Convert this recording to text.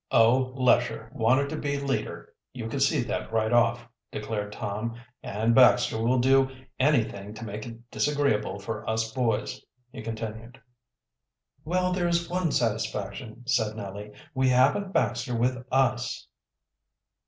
"Oh, Lesher wanted to be leader, you could see that right off," declared Tom. "And Baxter will do anything to make it disagreeable for us boys," he continued. "Well, there is one satisfaction," said Nellie. "We haven't Baxter with us."